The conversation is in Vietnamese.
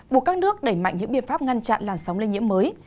buộc các nước đẩy mạnh những biện pháp ngăn chặn làn sóng lây nhiễm mới